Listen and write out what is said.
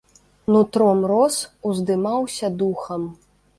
Нутром рос, уздымаўся духам.